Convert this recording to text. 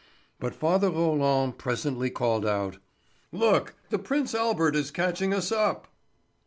But father Roland presently called out: "Look, the Prince Albert is catching us up!"